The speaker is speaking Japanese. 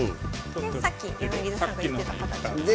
でさっき柳田さんが言ってた形にする。